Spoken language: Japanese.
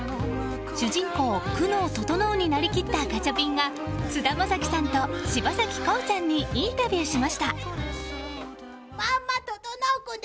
主人公・久能整になりきったガチャピンが菅田将暉さんと柴咲コウさんにインタビューしました。